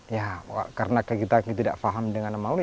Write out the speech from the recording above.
ya karena kita tidak paham dengan malu